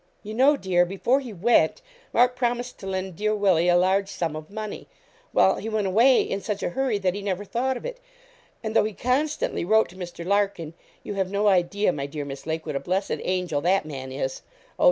'You know, dear, before he went, Mark promised to lend dear Willie a large sum of money. Well, he went away in such a hurry, that he never thought of it; and though he constantly wrote to Mr. Larkin you have no idea, my dear Miss Lake, what a blessed angel that man is oh!